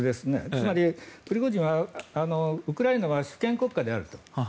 つまりプリゴジンはウクライナは主権国家であると。